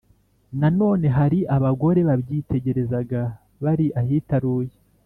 Nanone hari abagore babyitegerezaga bari ahitaruye